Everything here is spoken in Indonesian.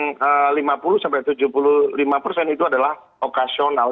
yang lima puluh sampai tujuh puluh lima persen itu adalah operasional